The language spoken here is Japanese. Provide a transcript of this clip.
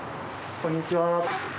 こんにちは。